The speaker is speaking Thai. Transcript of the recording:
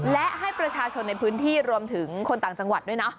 และให้ประชาชนในพื้นที่รวมถึงคนต่างจังหวัดด้วยนะ